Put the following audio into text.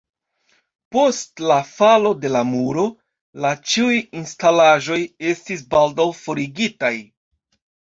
Post "„la falo de la muro“" la ĉiuj instalaĵoj estis baldaŭ forigitaj.